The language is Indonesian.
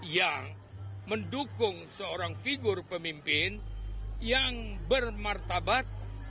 yang mendukung seorang figur pemimpin yang bermartabat